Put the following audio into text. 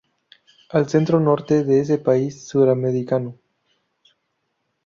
Al centro norte de ese país suramericano.